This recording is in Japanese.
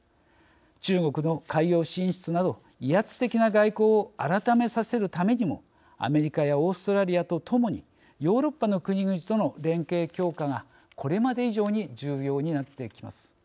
中国の海洋進出など威圧的な外交を改めさせるためにもアメリカやオーストラリアとともにヨーロッパの国々との連携強化がこれまで以上に重要になってきます。